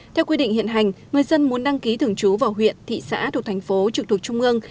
theo quy định hiện hành người dân muốn đăng ký thường trú vào huyện thị xã thuộc thành phố trực thuộc trung ương